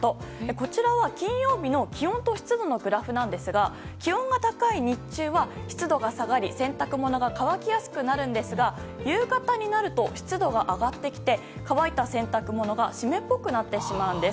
こちらは金曜日の気温と湿度のグラフですが気温が高い日中は湿度が下がり洗濯物が乾きやすくなるんですが夕方になると湿度が上がってきて乾いた洗濯物が湿っぽくなってしまうんです。